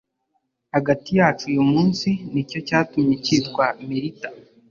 hagati yacu uyu munsi Ni cyo cyatumye cyitwa melita